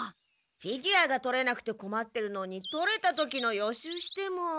フィギュアが取れなくてこまってるのに取れた時の予習しても。